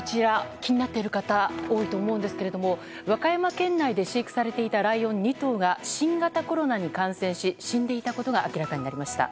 気になっている方多いと思うんですが和歌山県内で飼育されていたライオン２頭が新型コロナに感染し死んでいたことが明らかになりました。